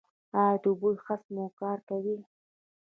ایا د بوی حس مو کار کوي؟